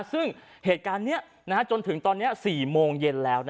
ซึ่งเหตุการณ์นี้จนถึงตอนนี้๔โมงเย็นแล้ว